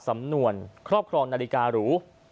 สำหรับครอบครองนาฬิการู